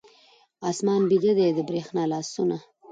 آسمان بیده دی، د بریښنا لاسونه